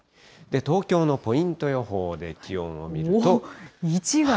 東京のポイント予報で気温を見ると。